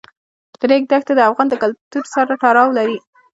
د ریګ دښتې د افغان کلتور سره تړاو لري.